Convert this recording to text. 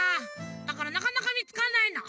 だからなかなかみつかんないの。